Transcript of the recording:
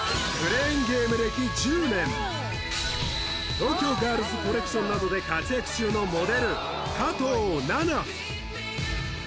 東京ガールズコレクションなどで活躍中のモデル加藤ナナ